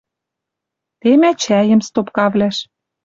Тема чӓйӹм стопкавлӓш.